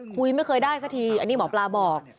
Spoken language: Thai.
ไม่เคยได้สักทีอันนี้หมอปลาบอก